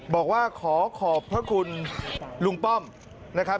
บอกว่าขอขอบพระคุณลุงป้อมนะครับ